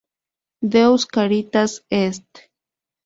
Deus Caritas est.